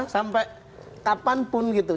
sampai kapanpun gitu